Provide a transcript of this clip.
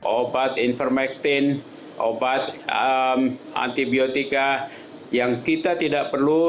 obat informekstin obat antibiotika yang kita tidak perlu